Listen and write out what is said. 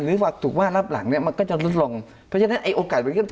หรือว่าถูกว่ารอบหลังเนี่ยมันก็จะลดลงเพราะฉะนั้นไอ้โอกาส